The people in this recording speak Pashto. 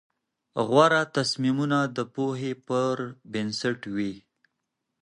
غوره تصمیمونه د پوهې پر بنسټ وي.